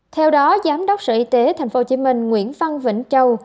theo đó giám đốc sở y tế tp hcm nguyễn phan vĩnh châu